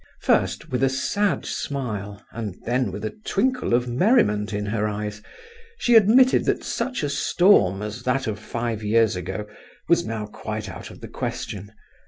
First, with a sad smile, and then with a twinkle of merriment in her eyes, she admitted that such a storm as that of five years ago was now quite out of the question.